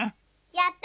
やった！